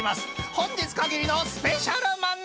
本日かぎりのスペシャル漫才！